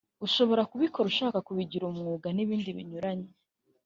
ushobora kubikora ushaka kubigira umwuga (business) n’ibindi binyuranye